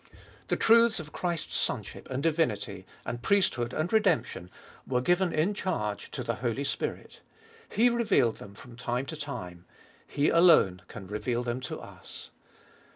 The truths of Christ's sonship and divinity and priesthood and redemption were given in charge to the Holy Spirit \ He revealed them from time to time ; He alone can reveal them to us.